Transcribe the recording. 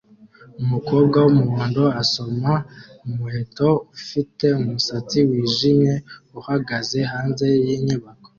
Umukobwa wumuhondo asoma umuheto ufite umusatsi wijimye uhagaze hanze yinyubako